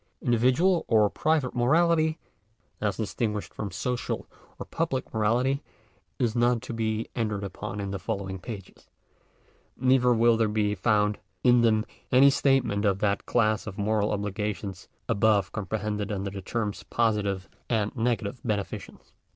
Individual or private morality, as distinguished from social or public morality, is not to be entered upon in the following pages. Neither will there be found in them any statement of that class of moral obligations above comprehended under the terms positive and negative beneficenoe*.